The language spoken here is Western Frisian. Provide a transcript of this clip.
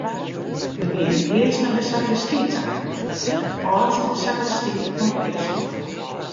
We geane earst nei de sakristy ta, dat is de âldste sakristy fan Fryslân.